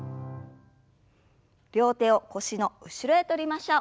両手を腰の後ろへ取りましょう。